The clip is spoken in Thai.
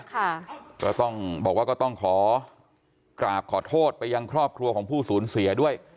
ก็ต้องบอกว่าก็ต้องขอกราบขอโทษไปยังครอบครัวของผู้สูญเสียด้วย